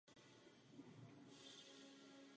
Proto jsem hlasovala pro tuto iniciativu.